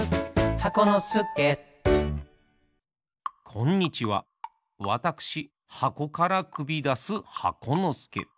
こんにちはわたくしはこからくびだす箱のすけ。